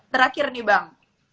terakhir nih bang